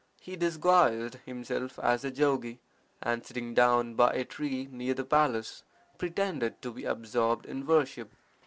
He disguised himself as a jogi, and sitting down by a tree near the palace, pretended to be absorbed in worship.